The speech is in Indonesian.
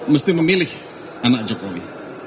mesti memilih anak jokowi